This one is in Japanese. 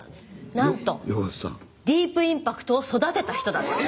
なんとディープインパクトを育てた人だったんです。